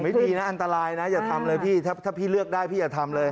ดีนะอันตรายนะอย่าทำเลยพี่ถ้าพี่เลือกได้พี่อย่าทำเลย